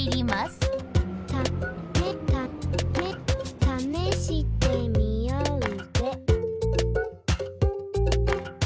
「ためためためしてみよーぜ」